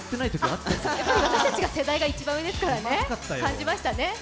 やっぱり私たちが世代が一番上ですからね。